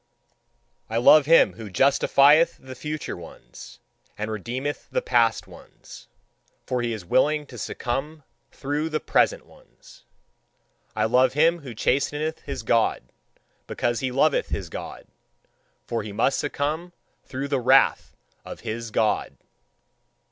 I love him who justifieth the future ones, and redeemeth the past ones: for he is willing to succumb through the present ones. I love him who chasteneth his God, because he loveth his God: for he must succumb through the wrath of his God.